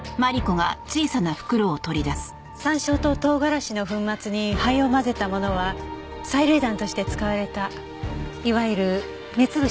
山椒とトウガラシの粉末に灰を混ぜたものは催涙弾として使われたいわゆる目潰しの術です。